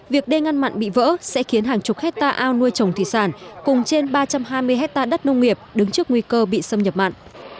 việc đê ngăn mặn bị vỡ sẽ khiến hàng chục hectare ao nuôi trồng thủy sản cùng trên ba trăm hai mươi hectare đất nông nghiệp đứng trước nguy cơ bị xâm nhập mặn